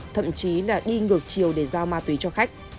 thậm chí là đi ngược chiều để giao ma túy cho khách